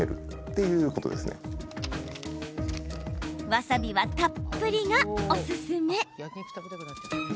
わさびはたっぷりがおすすめ。